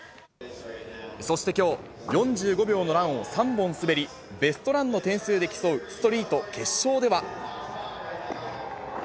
そしてきょう、４５秒のランを３本滑り、ベストランの点数で競うストリート決勝では。